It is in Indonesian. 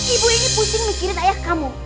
ibu ini pusing mikirin ayah kamu